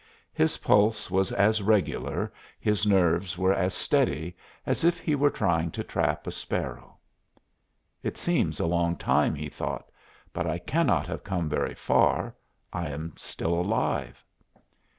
His pulse was as regular, his nerves were as steady as if he were trying to trap a sparrow. "It seems a long time," he thought, "but I cannot have come very far; I am still alive."